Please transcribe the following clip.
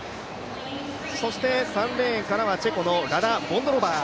そして３レーンからはチェコのラダ・ボンドロバー。